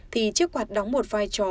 thì chiếc quạt đóng một vai trò